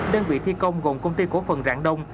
đơn vị thi công gồm công ty cổ phần rạng đông